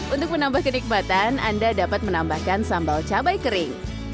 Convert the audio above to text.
untuk menambah kenikmatan anda dapat menambahkan sambal cabai kering